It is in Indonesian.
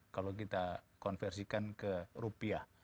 kalau kita konversikan ke rupiah